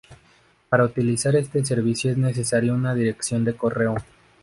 Para utilizar este servicio es necesario una dirección de correo